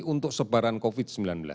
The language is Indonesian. untuk sebaran covid sembilan belas